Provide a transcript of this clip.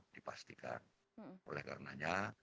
dipastikan oleh karenanya